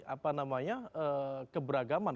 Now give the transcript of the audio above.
apa namanya keberagaman